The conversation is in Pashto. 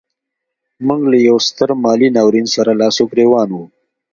موږ له یوه ستر مالي ناورین سره لاس و ګرېوان وو.